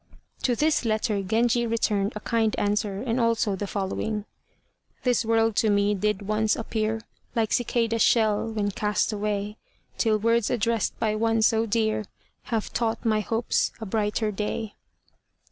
To this letter Genji returned a kind answer and also the following: "This world to me did once appear Like Cicada's shell, when cast away, Till words addressed by one so dear, Have taught my hopes a brighter day."